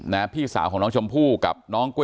อยากให้สังคมรับรู้ด้วย